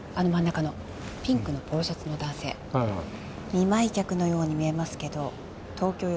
見舞客のように見えますけど東京よ